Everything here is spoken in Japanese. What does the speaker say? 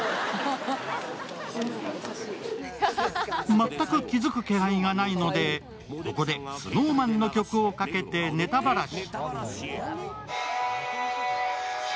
全く気付く気配がないのでここでＳｎｏｗＭａｎの曲をかけてネタばらし。